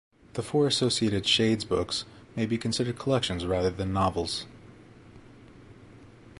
The four Associated Shades books may be considered collections rather than novels.